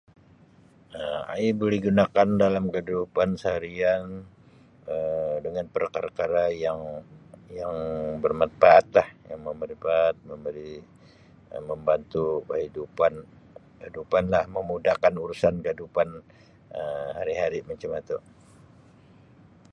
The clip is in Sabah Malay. Um Aiyi boleh gunakan dalam kehidupan seharian Um dengan perkara-perkara yang yang bermanfaat lah yang bermanfaat memberi membantu kehidupan kehidupan lah memudahkan urusan kehidupan Um hari hari macam atu.